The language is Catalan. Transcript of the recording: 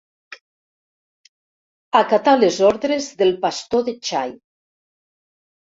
Acatà les ordres del pastor de xai.